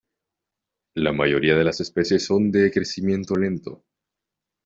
La mayoría de las especies son de crecimiento lento.